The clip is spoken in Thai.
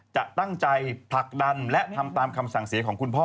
จะตั้งใจผลักดันและทำตามคำสั่งเสียของคุณพ่อ